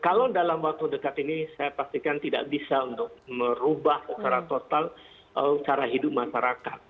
kalau dalam waktu dekat ini saya pastikan tidak bisa untuk merubah secara total cara hidup masyarakat